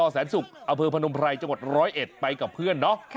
อแสนศุกร์อเวอร์พนมไพรจังหวัด๑๐๑ไปกับเพื่อนเนอะ